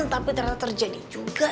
tapi ternyata terjadi juga